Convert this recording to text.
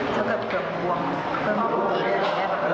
ใช่คือกระดบดีญี่หวัดให้อยู่เเลือนเรา